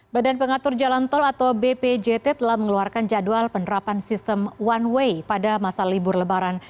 badan pengatur jalan tol atau bpjt telah mengeluarkan jadwal penerapan sistem one way pada masa libur lebaran